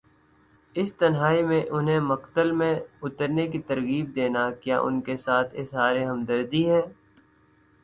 اس تنہائی میں انہیں مقتل میں اترنے کی ترغیب دینا، کیا ان کے ساتھ اظہار ہمدردی ہے؟